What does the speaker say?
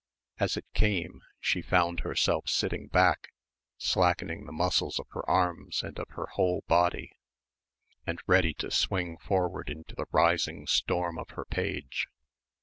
As it came, she found herself sitting back, slackening the muscles of her arms and of her whole body, and ready to swing forward into the rising storm of her page.